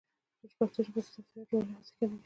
په پښتو ژبه د سافټویر جوړولو هڅې کمې دي.